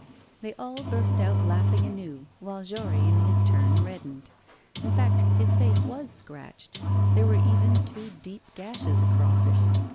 They all burst out laughing anew, while Jory, in his turn, reddened. In fact, his face was scratched: there were even two deep gashes across it.